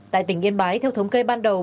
tại tỉnh yên bái theo thống kê ban đầu